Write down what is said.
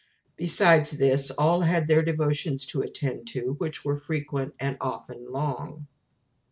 Besides this, all had their devotions to attend to, which were frequent and often long.